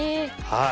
はい。